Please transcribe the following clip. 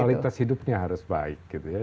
kualitas hidupnya harus baik gitu ya